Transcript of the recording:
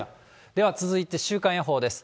では続いて、週間予報です。